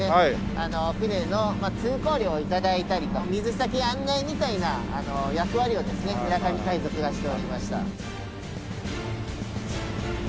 船の通行料を頂いたりと水先案内みたいな役割をですね村上海賊がしておりました。